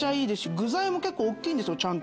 具材も結構大きいんですよちゃんと。